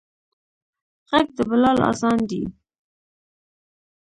غږ د بلال اذان دی